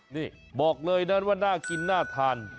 นี่บอกเลยนะว่าน่ากินน่าทาน